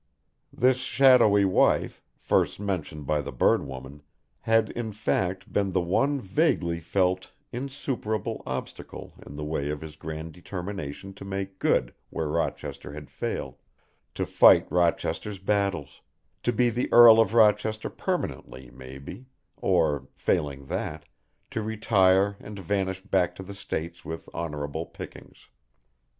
This shadowy wife, first mentioned by the bird woman, had, in fact, been the one vaguely felt insuperable obstacle in the way of his grand determination to make good where Rochester had failed, to fight Rochester's battles, to be the Earl of Rochester permanently maybe, or, failing that, to retire and vanish back to the States with honourable pickings.